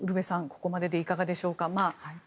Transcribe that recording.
ここまでいかがでしょうか。